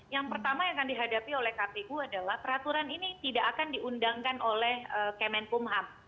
yang pertama yang akan dihadapi oleh kpu adalah peraturan ini tidak akan diundangkan oleh kemenkumham